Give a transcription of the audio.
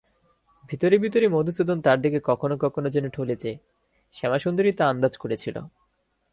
ভিতরে ভিতরে মধুসূদন তার দিকে কখনো কখনো যেন টলেছে, শ্যামাসুন্দরী তা আন্দাজ করেছিল।